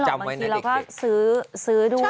ใช่มั้ยบางทีเราก็ซื้อด้วย